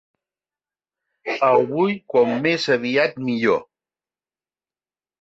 El vull com més aviat millor.